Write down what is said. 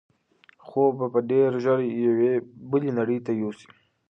خوب به دی ډېر ژر یوې بلې نړۍ ته یوسي.